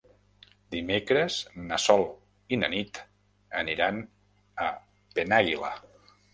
Dimecres na Sol i na Nit aniran a Penàguila.